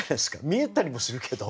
見えたりもするけど。